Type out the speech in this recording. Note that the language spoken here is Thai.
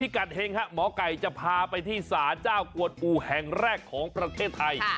กัดเฮงฮะหมอไก่จะพาไปที่ศาลเจ้ากวดปูแห่งแรกของประเทศไทย